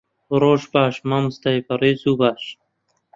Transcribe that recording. ڕۆژ باش، مامۆستای بەڕێز و باش.